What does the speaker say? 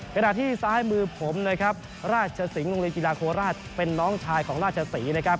ขณะที่ซ้ายมือผมนะครับราชสิงห์โรงเรียนกีฬาโคราชเป็นน้องชายของราชศรีนะครับ